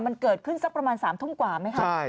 มันเกิดขึ้นสักประมาณ๓ทุ่มกว่าไหมคะ